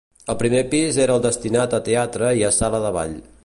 El primer pis era el destinat a teatre i a sala de ball.